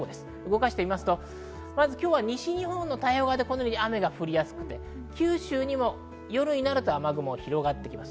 今日は西日本の太平洋側で雨が降りやすくて九州にも夜になると雨雲が広がります。